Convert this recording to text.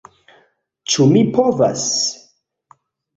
Ĉu mi povas...?